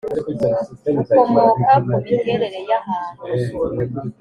bukomoka ku miterere y’ahantu